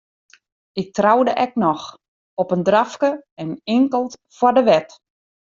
Ik troude ek noch, op in drafke en inkeld foar de wet.